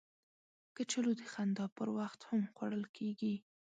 کچالو د خندا پر وخت هم خوړل کېږي